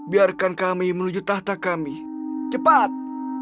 biarkan kami menuju tahta kami cepat